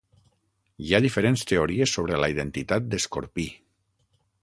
Hi ha diferents teories sobre la identitat d'Escorpí.